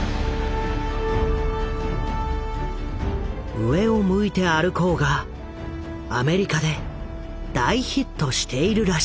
「上を向いて歩こう」がアメリカで大ヒットしているらしい。